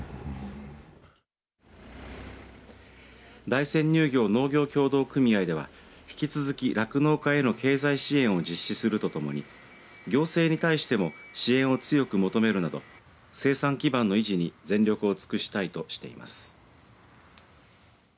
大山乳業農業協同組合では引き続き、酪農家への経済支援を実施するとともに行政に対しても支援を強く求めるなど生産基盤の維持に全力を尽くしたいとしています。